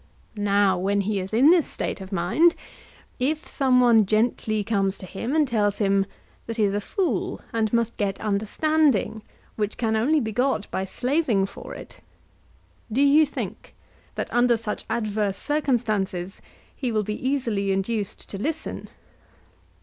Now, when he is in this state of mind, if some one gently comes to him and tells him that he is a fool and must get understanding, which can only be got by slaving for it, do you think that, under such adverse circumstances, he will be easily induced to listen?